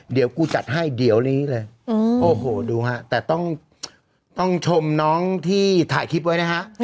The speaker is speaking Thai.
เดี๋ยวกูจัดให้เดี๋ยวนี้เลยโอ้โหดูฮะแต่ต้องชมน้องที่ถ่ายคลิปไว้นะฮะ